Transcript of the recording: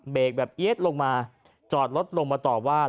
เบรกแบบเอ๊ะลงมาจอดรถลงมาต่อว่า